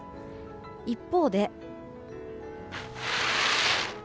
一方で。